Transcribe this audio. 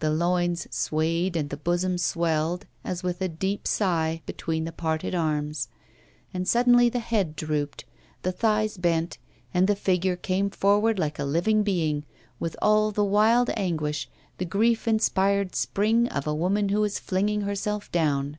The loins swayed and the bosom swelled, as with a deep sigh, between the parted arms. And suddenly the head drooped, the thighs bent, and the figure came forward like a living being, with all the wild anguish, the grief inspired spring of a woman who is flinging herself down.